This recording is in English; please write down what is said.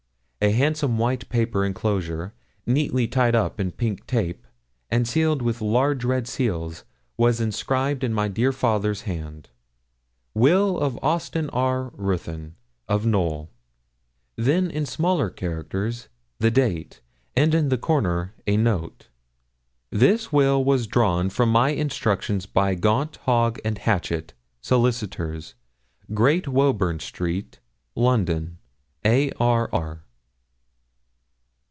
A handsome white paper enclosure, neatly tied up in pink tape, and sealed with large red seals, was inscribed in my dear father's hand: 'Will of Austin R. Ruthyn, of Knowl.' Then, in smaller characters, the date, and in the corner a note 'This will was drawn from my instructions by Gaunt, Hogg, and Hatchett, Solicitors, Great Woburn Street, London, A.R.R.'